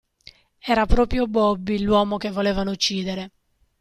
Era proprio Bobby l'uomo che volevano uccidere.